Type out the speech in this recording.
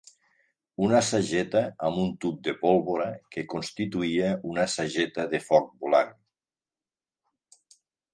Una sageta amb un tub de pólvora que constituïa una sageta de foc volant.